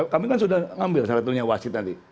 kami kan sudah ngambil syaratnya wasit nanti